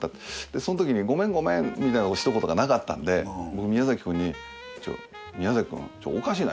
そのときにごめんごめんみたいな一言がなかったんで僕宮崎くんに宮崎くんおかしない？